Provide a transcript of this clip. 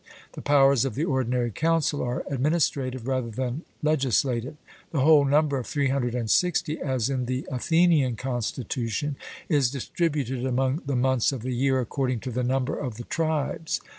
The powers of the ordinary council are administrative rather than legislative. The whole number of 360, as in the Athenian constitution, is distributed among the months of the year according to the number of the tribes.